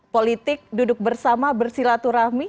politik duduk bersama bersilaturahmi